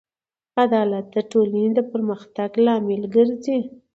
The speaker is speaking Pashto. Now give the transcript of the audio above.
عدالت د ټولنې د پرمختګ لامل ګرځي.